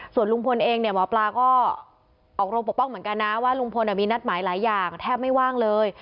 ส่วนลุงพลเองเนี่ยหมอปลาก็ออกโรงปกป้องเหมือนกันนะว่าลุงพลมีนัดหมายหลายอย่างแทบไม่ว่างเลย